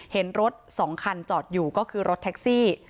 เห็นรถ๒คันจอดอยู่ก็คือรถแท็กซี่